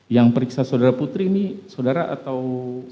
yang periksa saudara putri ini saudara atau